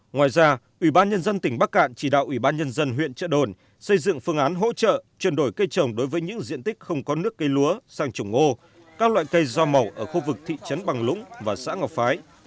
ngoài ra ủy ban nhân dân tỉnh bắc cạn chỉ đạo ủy ban nhân dân huyện trợ đồn xây dựng phương án hỗ trợ chuyển đổi cây trồng đối với những diện tích không có nước cây lúa sang trồng ngô các loại cây rau màu ở khu vực thị trấn bằng lũng và xã ngọc phái